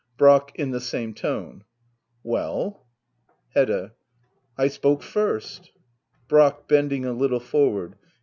Brack. [In the same tone.'] Well? Hedda I spoke first. Brack. [Bending a little forward.'